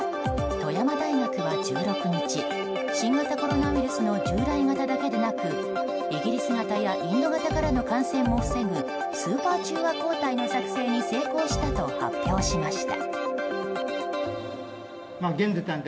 富山大学は１６日新型コロナウイルスの従来型だけでなくイギリス型やインド型からも感染を防ぐスーパー中和抗体の作製に成功したと発表しました。